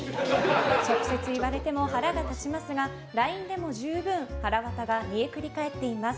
直接言われても腹が立ちますがＬＩＮＥでも十分はらわたが煮えくり返っています。